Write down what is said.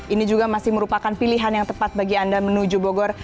ini juga masih merupakan pilihan yang tepat bagi anda menuju bogor